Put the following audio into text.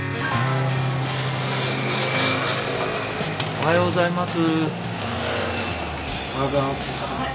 おはようございます。